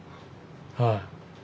はい。